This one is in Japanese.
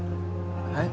はい？